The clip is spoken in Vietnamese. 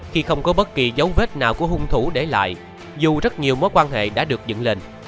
khi không có bất kỳ dấu vết nào của hung thủ để lại dù rất nhiều mối quan hệ đã được dựng lên